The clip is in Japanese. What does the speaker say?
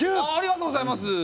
ありがとうございます。